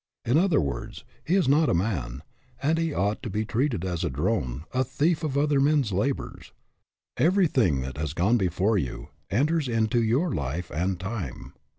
In other words, he is not a man, and he ought to be treated as a drone, a thief of other men's labors. Everything that has gone before you, enters into your life and time.